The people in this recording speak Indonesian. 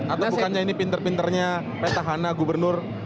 atau bukannya ini pinter pinternya petahana gubernur